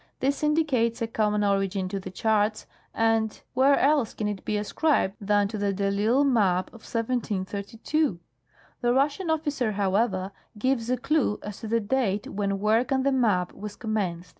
This indicates a common origin to the charts, and where else can it be ascribed than to the de I'Isle map of 1732? The Russian officer, hoAvever, gives a clue as to the date when work on the map was commenced.